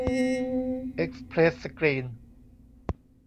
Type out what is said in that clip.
เอ็กซ์เพรสสกรีน